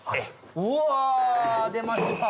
うわぁ出ました。